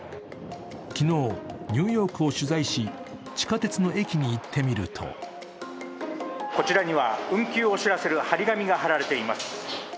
昨日、ニューヨークを取材し地下鉄の駅に行ってみるとこちらには運休を知らせる貼り紙が貼られています。